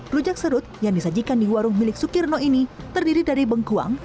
rujak serut yang disajikan di warung milik sukirno ini terdiri dari bengkuang